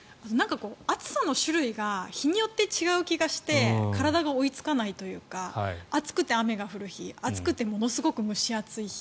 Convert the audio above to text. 暑さの種類が日によって違う気がして体が追いつかないというか暑くて雨が降る日暑くてものすごく蒸し暑い日